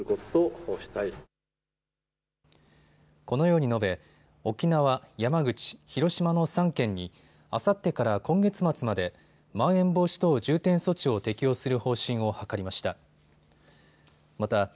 このように述べ、沖縄、山口、広島の３県にあさってから今月末までまん延防止等重点措置を適用する方針を諮りました。